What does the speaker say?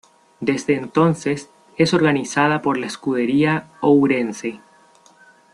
Desde entonces es organizada por la Escudería Ourense.